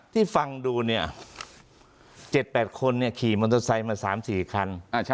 ที่ฟังดูเนี่ย๗๘คนขี่มอเตอร์ไซค์มา๓๔คัน